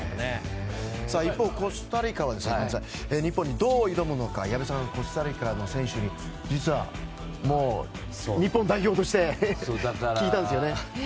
一方、コスタリカは日本にどう挑むのか矢部さん、コスタリカの選手に実は日本代表として聞いたんですよね。